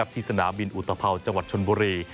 ที่สนามบินอุตภัวจังหวัดชนบุรี